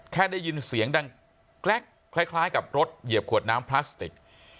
แค่ได้ยินเสียงดังแกร๊กคล้ายกับรถเหยียบขวดน้ำพลาสติก